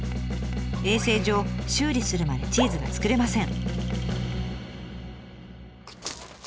衛生上修理するまでチーズが作れません。